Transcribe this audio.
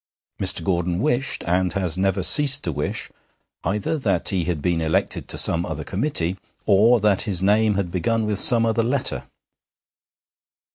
Mr. Gordon wished, and has never ceased to wish, either that he had been elected to some other committee, or that his name had begun with some other letter.